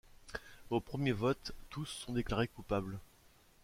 Au premier vote, tous sont déclarés coupables.